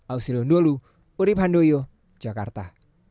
ausirun dulu urib handoyo jakarta